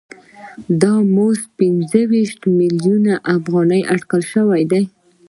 دا مزد پنځه ویشت میلیونه افغانۍ اټکل شوی دی